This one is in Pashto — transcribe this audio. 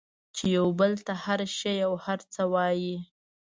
چې یو بل ته هر شی او هر څه وایئ